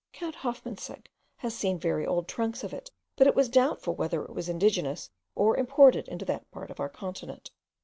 Count Hoffmansegg has seen very old trunks of it; but it was doubtful whether it was indigenous, or imported into that part of our continent.